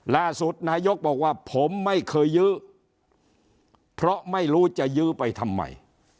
ล่าสุดนายกบอกว่าผมไม่เคยยื้อเพราะไม่รู้จะยื้อไปทำไม